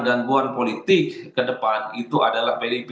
gangguan politik ke depan itu adalah pdip